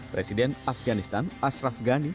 presiden afganistan ashraf ghani